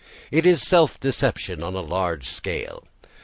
It is self deception on a large scale.